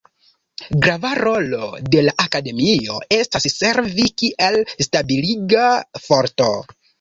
Grava rolo de la Akademio estas servi kiel stabiliga forto.